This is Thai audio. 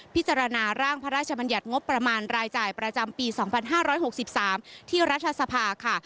พิจารณาร่างพระราชบัญญัติงบประมาณรายจ่ายประจำปี๒๕๖๓ที่รัฐสภาค่ะ